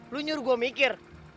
lo nyuruh gue mikir